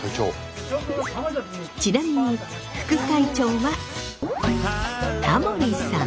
ちなみに副会長はタモリさん！